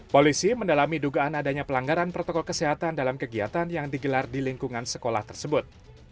polisi mendalami dugaan adanya pelanggaran protokol kesehatan dalam kegiatan yang digelar di lingkungan sekolah tersebut